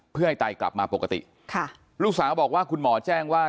เพื่อให้ไตกลับมาปกติค่ะลูกสาวบอกว่าคุณหมอแจ้งว่า